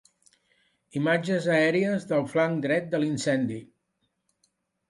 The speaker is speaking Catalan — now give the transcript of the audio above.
Imatges aèries del flanc dret de l'incendi.